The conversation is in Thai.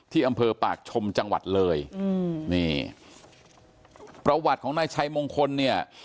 อำเภอปากชมจังหวัดเลยอืมนี่ประวัติของนายชัยมงคลเนี่ย